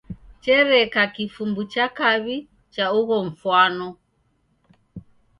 Chereka kifumbu cha kaw'i cha ugho mfwano.